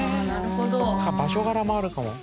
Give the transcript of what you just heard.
そっか場所柄もあるかも。